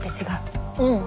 うん。